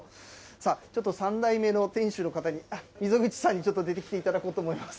さあ、ちょっと３代目の店主の方に、溝口さんにちょっと出てきていただこうと思います。